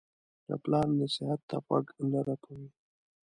د پلار نصیحت ته غوږ نه رپوي.